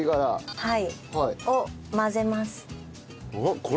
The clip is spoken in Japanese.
はい。